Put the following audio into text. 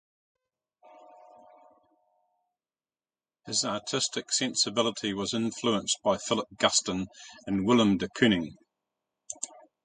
His artistic sensibility was influenced by Philip Guston and Willem de Kooning.